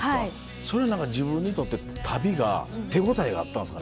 それは何か自分にとって旅が手応えがあったんすか？